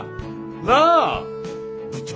なあ部長。